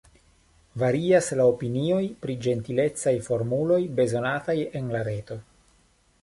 Varias la opinioj pri ĝentilecaj formuloj bezonataj en la reto.